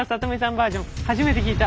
バージョン初めて聞いた。